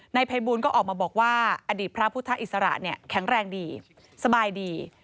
ภัยบูลก็ออกมาบอกว่าอดีตพระพุทธอิสระเนี่ยแข็งแรงดีสบายดี